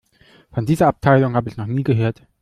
Von dieser Abteilung habe ich noch nie gehört.